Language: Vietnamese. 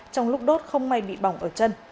trong lúc đốt không may bị bỏng ở chân